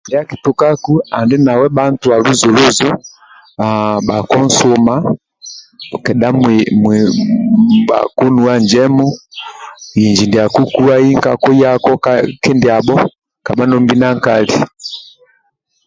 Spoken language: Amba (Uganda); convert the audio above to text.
Ndia akitukaku andi nawe bha ntua luzu-luzu haaa bhako nsuma kedha nuwa njemu inji ndiako kuwai nkako yaki kindiabho kabha nombi na nkali